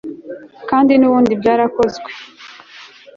kandi n'ubundi byarakozwe